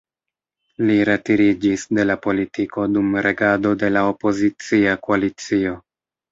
Li retiriĝis de la politiko dum regado de la opozicia koalicio.